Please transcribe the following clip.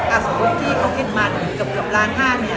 อ่ะสมมุติที่เขากินมันกับร้าน๕เนี้ย